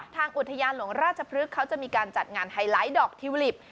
ทางอุทยานหลวงราชพฤกษ์เขาจะมีการจัดงานไฮไลท์ดอกทิวลิป